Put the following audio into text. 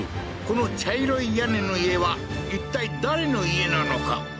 この茶色い屋根の家はいったい誰の家なのか？